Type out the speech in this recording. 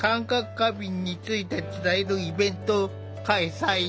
過敏について伝えるイベントを開催。